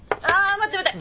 待って待って。